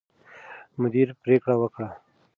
مدیر پرېکړه وکړه.